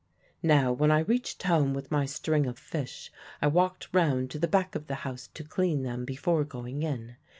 "Now when I reached home with my string of fish, I walked round to the back of the house to clean them before going in.